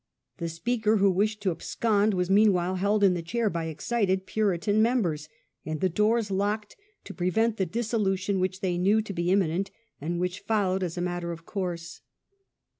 The Speaker, who wished to abscond, was meanwhile held in the chair by excited Puritan members, and the doors locked to prevent the dissolution which they knew to be imminent, and which followed as a matter of course.